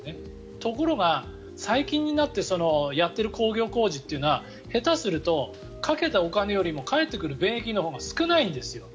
ところが、最近になってやっている公共工事というのは下手すると、かけたお金よりも返ってくる便益のほうが少ないんですよ。